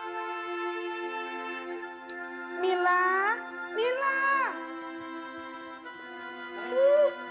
oh ini dong